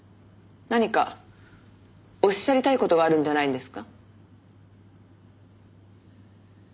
何かおっしゃりたい事があるんじゃないですか？